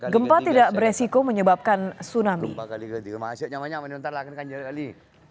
gempa tidak beresiko menyebabkan tsunami